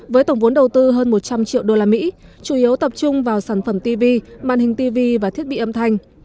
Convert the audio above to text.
với tổng vốn đầu tư hơn một trăm linh triệu usd chủ yếu tập trung vào sản phẩm tv màn hình tv và thiết bị âm thanh